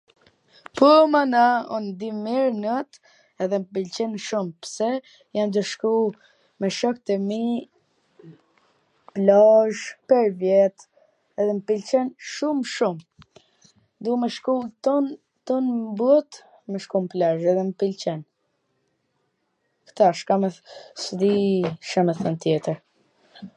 Po mana un di mir not edhe m pwlqen shum pse jam tu shku me shokt e mi, plazh shkoj vjet edhe mw pwlqen shum shum ... du me shku twn twn bot edhe me shku n plazh ... m pwlqen... s di Ca me than tjetwr.